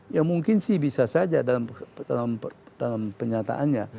ya mungkin sih bisa saja dalam penyataannya